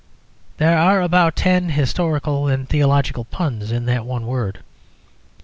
There are about ten historical and theological puns in that one word.